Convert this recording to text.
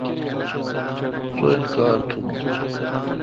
سو انکار تھون۔